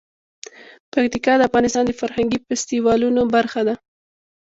پکتیکا د افغانستان د فرهنګي فستیوالونو برخه ده.